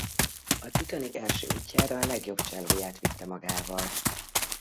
A Titanic első útjára a legjobb csellóját vitte magával.